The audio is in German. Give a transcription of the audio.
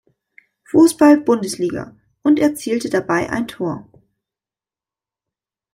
Fußball-Bundesliga und erzielte dabei ein Tor.